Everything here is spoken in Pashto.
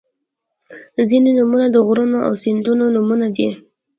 • ځینې نومونه د غرونو او سیندونو نومونه دي.